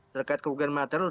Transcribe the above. terkait kerugian materi